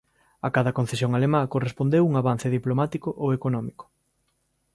A cada concesión alemá correspondeu un avance diplomático ou económico.